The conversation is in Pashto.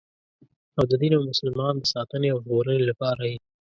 او د دین او مسلمان د ساتنې او ژغورنې لپاره یې.